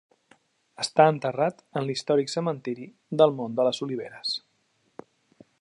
Està enterrat en l'històric Cementiri del Mont de les Oliveres.